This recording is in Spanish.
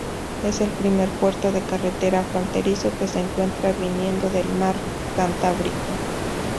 Es el primer puerto de carretera fronterizo que se encuentra viniendo del mar Cantábrico.